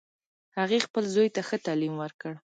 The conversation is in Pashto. هغې خپل زوی ته ښه تعلیم ورکړ